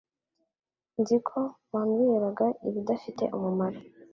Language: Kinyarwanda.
nzi ko wambwiraga ibidafite umumaro